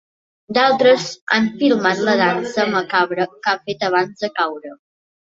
D'altres han filmat la dansa macabra que ha fet abans de caure.